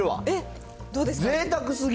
えっ？